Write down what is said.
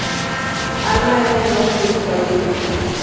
Alma era el nombre de su padrino.